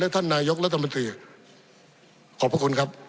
ท่านนายกรัฐมนตรีขอบพระคุณครับ